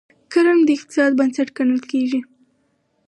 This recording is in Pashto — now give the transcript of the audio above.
کرنه د اقتصاد بنسټ ګڼل کیږي.